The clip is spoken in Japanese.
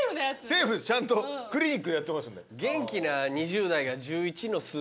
セーフですちゃんとクリニックでやってますんで。